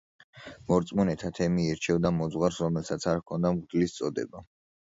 მორწმუნეთა თემი ირჩევდა მოძღვარს, რომელსაც არ ჰქონდა მღვდლის წოდება.